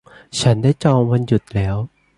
ฉันได้จองวันหยุดแล้ว